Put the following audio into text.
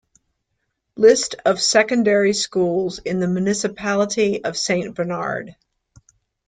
List of Secondary Schools in the Municipality of Saint Bernard.